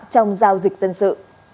trong giao dịch dân sự